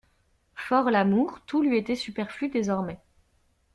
Fors l'amour, tout lui était superflu désormais.